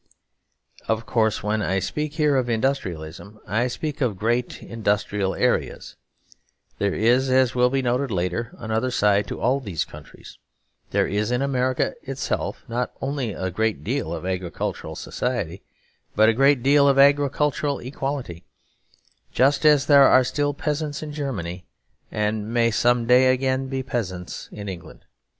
Of course when I speak here of industrialism I speak of great industrial areas; there is, as will be noted later, another side to all these countries; there is in America itself not only a great deal of agricultural society, but a great deal of agricultural equality; just as there are still peasants in Germany and may some day again be peasants in England.